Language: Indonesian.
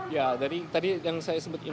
ya dari tadi yang saya sebutkan